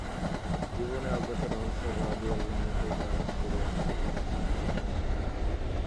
জীবনের অজ্ঞাত রহস্য গাওদিয়ার বিন্দুকে গ্রাস করিয়াছে, কলিকাতার অনামী রহস্য।